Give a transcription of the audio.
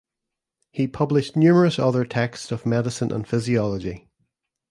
He published numerous other texts of medicine and physiology.